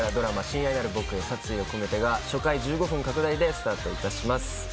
「親愛なる僕へ殺意をこめて」が初回１５分拡大でスタートいたします。